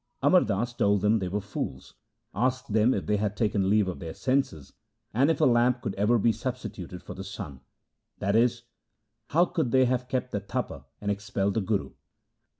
Amar Das told them they were fools, asked them if they had taken leave of their senses, and if a lamp could ever be substituted for the sun ; that is, how could they have kept the Tapa and expelled the Guru